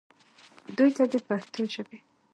دوي ته د پښتو ژبې